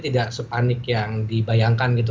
tidak sepanik yang dibayangkan gitu